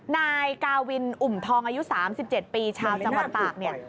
นายกาวินอุ่มทองอายุ๓๗ปีชาวจังหวัดตากเนี่ย